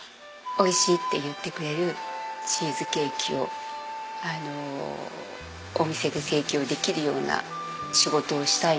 美味しいって言ってくれるチーズケーキをお店で提供できるような仕事をしたいなと思って。